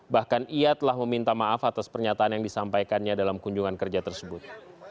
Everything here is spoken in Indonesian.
bahkan ia telah meminta maaf atas pernyataan yang disampaikannya dalam kunjungan kerja tersebut